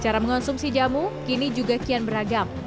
cara mengonsumsi jamu kini juga kian beragam